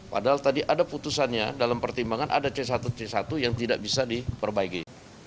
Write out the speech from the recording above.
padahal tadi ada putusannya dalam pertimbangan ada c satu c satu yang tidak bisa diperbaiki